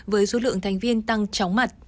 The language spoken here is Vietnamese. với số lượng thành viên tăng chóng mặt